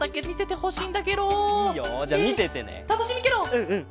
うんうん！